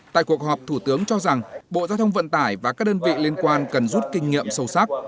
tại cuộc họp thủ tướng cho rằng bộ giao thông vận tải và các đơn vị liên quan cần rút kinh nghiệm sâu sắc